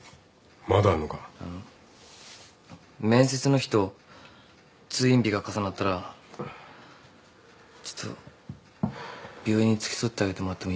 あの面接の日と通院日が重なったらちょっと病院に付き添ってあげてもらってもいいかな。